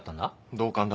同感だ。